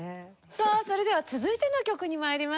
さあそれでは続いての曲に参りましょう。